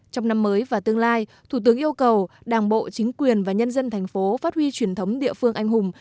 trong năm mới và tương lai thủ tướng yêu cầu đảng bộ chính quyền và nhân dân thành phố phát huy truyền thống địa phương anh hùng